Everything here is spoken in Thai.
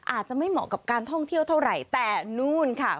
อาจจะไม่เหมาะกับการท่องเที่ยวเท่าไหร่แต่นู่นค่ะ